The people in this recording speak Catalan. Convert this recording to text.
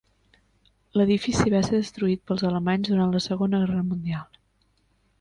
L'edifici va ser destruït pels alemanys durant la Segona Guerra Mundial.